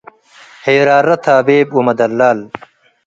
ሄራረ ታቤብ ወመደላል